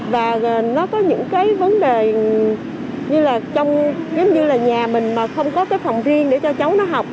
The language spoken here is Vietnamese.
và nó có những vấn đề như là trong nhà mình mà không có phòng riêng để cho cháu nó học